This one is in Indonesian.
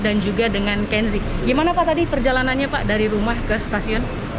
dan juga dengan kenzi gimana pak tadi perjalanannya pak dari rumah ke stasiun